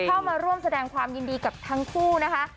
เข้ามาร่วมแสดงความยินดีกับทั้งคู่นะคะ